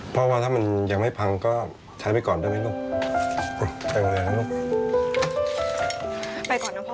ไปก่อนนะพ่อ